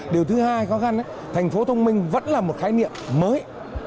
điều thứ hai khó khăn là tp thông minh vẫn là một khái niệm mới